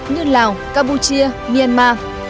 như lào campuchia myanmar